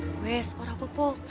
pwes orang pepuh